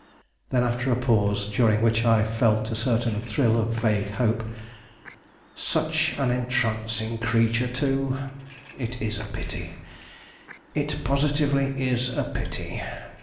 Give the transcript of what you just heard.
Then after a pause, during which I felt a certain thrill of vague hope: "Such an entrancing creature too! It is a pity, it positively is a pity!